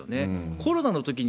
コロナのときに、